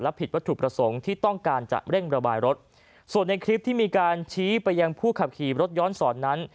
ผิดวัตถุประสงค์ที่ต้องการจะเร่งระบายรถส่วนในคลิปที่มีการชี้ไปยังผู้ขับขี่รถย้อนสอนนั้น